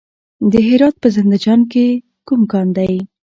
د هرات په زنده جان کې کوم کان دی؟